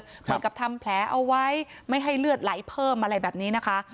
เหมือนกับทำแผลเอาไว้ไม่ให้เลือดไหลเพิ่มอะไรแบบนี้นะคะ